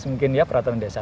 mungkin ya peraturan desa